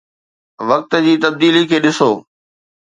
وقت جي تبديلي کي ڏسو.